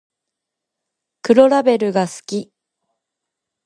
黒ラベルが好き